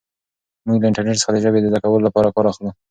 موږ له انټرنیټ څخه د ژبې زده کولو لپاره کار اخلو.